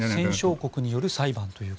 戦勝国による裁判と。